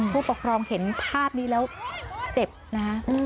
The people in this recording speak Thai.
ผู้ปกครองเห็นภาพนี้แล้วเจ็บนะฮะ